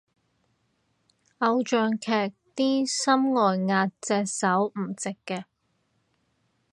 偶像劇啲心外壓隻手唔直嘅